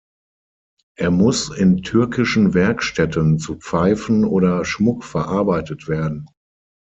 Er muss in türkischen Werkstätten zu Pfeifen oder Schmuck verarbeitet werden.